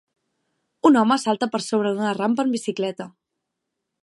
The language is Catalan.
Un home salta per sobre d'una rampa en bicicleta